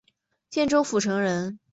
建州浦城人。